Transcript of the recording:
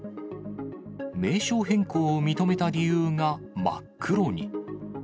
名称変更を認めた理由が真っ黒に。